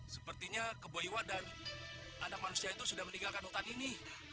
sepertinya keboiwa dan anak manusia itu sudah meninggalkan hutan ini